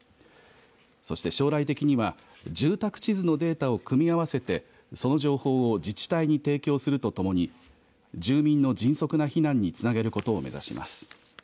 そして、将来的には住宅地図のデータを組み合わせてその情報を自治体に提供するとともに住民の迅速な避難につなげることを目指します。